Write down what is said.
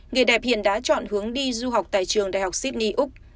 nghề đẹp hiện đã chọn hướng đi du học tại trường đại học sydney úc